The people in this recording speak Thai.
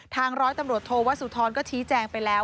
ร้อยตำรวจโทวสุธรก็ชี้แจงไปแล้ว